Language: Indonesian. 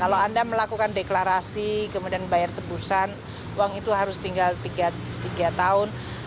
kalau anda melakukan deklarasi kemudian bayar tebusan uang itu harus tinggal tiga tahun